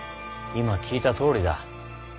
今聞いたとおりだ。